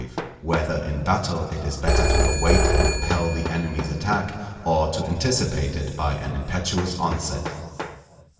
—_Whether in battle it is better to await and repel the Enemy's attack, or to anticipate it by an impetuous onset.